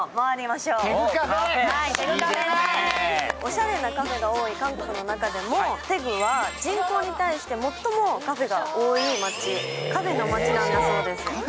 おしゃれなカフェが多い韓国の中でもテグは人口に対して最もカフェが多い街、カフェの街なんだそうです。